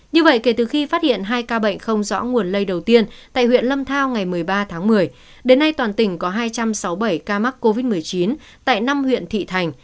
như vậy kể từ khi phát hiện hai ca bệnh không rõ nguồn lây đầu tiên tại huyện lâm thao ngày một mươi ba tháng một mươi đến nay toàn tỉnh có hai trăm sáu mươi bảy ca mắc covid một mươi chín tại năm huyện thị thành